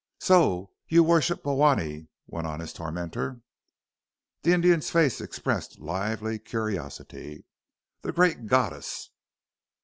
"So you worship Bhowanee?" went on his tormentor. The Indian's face expressed lively curiosity. "The great goddess."